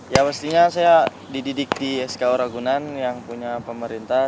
ya pastinya saya dididik di sko ragunan yang punya pemerintah